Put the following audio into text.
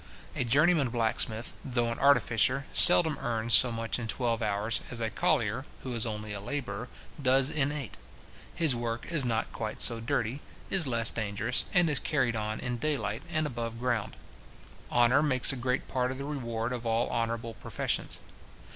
A journeyman blacksmith, though an artificer, seldom earns so much in twelve hours, as a collier, who is only a labourer, does in eight. His work is not quite so dirty, is less dangerous, and is carried on in day light, and above ground. Honour makes a great part of the reward of all honourable professions.